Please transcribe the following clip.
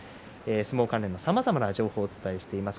相撲関連のさまざまな情報をお伝えしています。